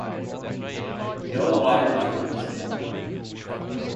No wires were visible.